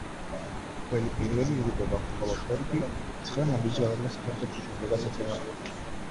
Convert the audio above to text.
გველი პირველი იღუპება, ხოლო თორი კი ცხრა ნაბიჯის გადადგმას ახერხებს, რის შემდეგაც ეცემა.